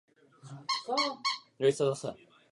Takto dnes věci nestojí, ale doufáme, že jednou budou.